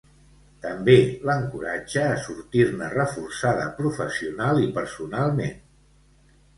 També l'encoratja a sortir-ne reforçada professional i personalment.